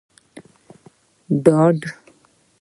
ډاډ